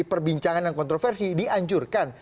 perbincangan dan kontroversi dianjurkan